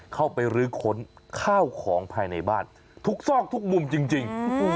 เข้าไปรื้อค้นข้าวของภายในบ้านทุกซอกทุกมุมจริง